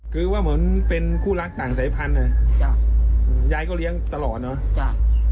คือว่าเหมือนเป็นคู่รักต่างสายพันธุ์ยายก็เลี้ยงตลอดเนอะจ้ะ